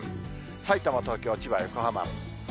さいたま、東京、千葉、横浜。